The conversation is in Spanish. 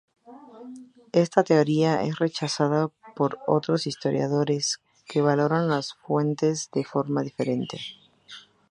Esta teoría es rechazada por otros historiadores, que valoran las fuentes de forma diferente.